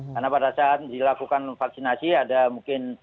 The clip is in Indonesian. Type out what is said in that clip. karena pada saat dilakukan vaksinasi ada mungkin